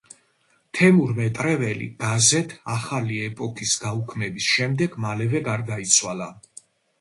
თემურ მეტრეველი გაზეთ „ახალი ეპოქის“ გაუქმების შემდეგ მალევე გარდაიცვალა.